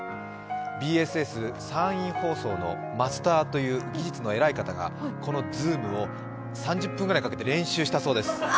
ＢＳＳ山陰放送のマスターという技術の偉い方がこのズームを３０分ぐらいかけて練習したそうです。